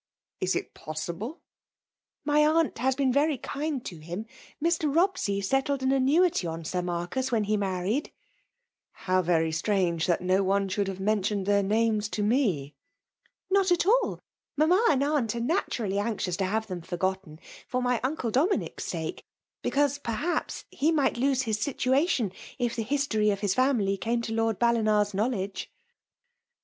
Is it possible ?'* My aunt has been very kind to him ; Mr. Robsey settled an annuity on Sir Marcus when he married/* u €€ VEItAUS DOM^Iti ATION. Sg "How very strange that no one shoald haTenenlioned ihsir names to me?*' Not at dl. Mamma and aunt are natu vally anxious to bare them forgotten, for mj nude DominidLB sake ; because^ perhaps, he might lose his situation, if the hktory of his finuly easne to Lord Ballini's knowledge."